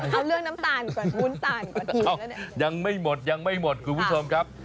ทำเรื่องน้ำตาลก่อนบุญตาลก่อนชอบยังไม่หมดยังไม่หมดคุณผู้ชมครับ